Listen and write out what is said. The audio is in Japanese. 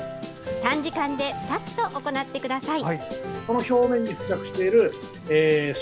短時間でさっと行ってください。